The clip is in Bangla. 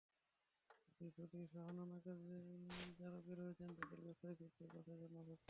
অফিস ছুটিসহ নানা কাজে যাঁরা বের হয়েছেন তাঁদের বাসায় ফিরতে বাসের জন্য অপেক্ষা।